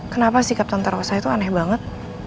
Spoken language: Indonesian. kenapa sih kapten tante rosa itu aneh banget